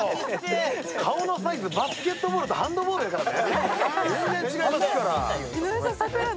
顔のサイズ、バスケットボールとハンドボールだからね。